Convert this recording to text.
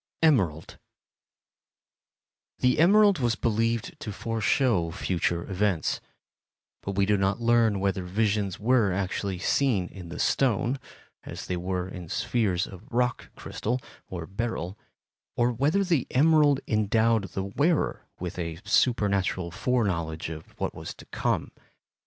Emerald The emerald was believed to foreshow future events, but we do not learn whether visions were actually seen in the stone, as they were in spheres of rock crystal or beryl, or whether the emerald endowed the wearer with a supernatural fore knowledge of what was to come.